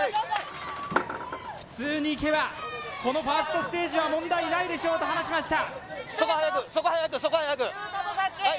普通にいけばこのファーストステージは問題ないでしょうと話しました